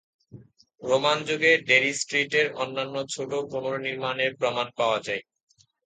Roman যুগে Derry স্ট্রিটের অন্যান্য ছোট পুনর্নির্মাণের প্রমাণ পাওয়া যায়।